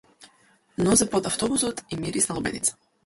Нозе под автобусот и мирис на лубеница.